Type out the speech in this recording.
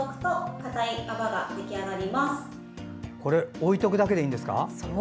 置いておくだけでいいんですか。